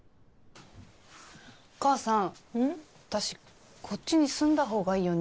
私こっちに住んだ方がいいよね。